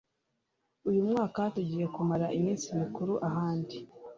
Uyu mwaka tugiye kumara iminsi mikuru ahandi.